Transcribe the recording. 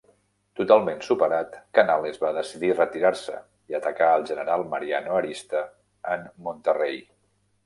Totalment superat, Canales va decidir retirar-se i atacar al general Mariano Arista en Monterrey.